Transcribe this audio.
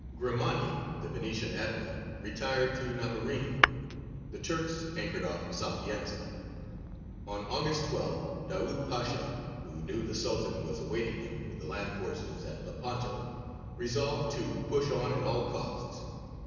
Grimani, the Venetian admiral, retired to Navarino; the Turks anchored off Sapienza. On August 12th Daūd Pasha, who knew the Sultan was awaiting him with the land forces at Lepanto, resolved to push on at all costs.